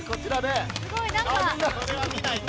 これは見ないと。